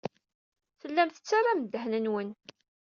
Tellam tettarram ddehn-nwen.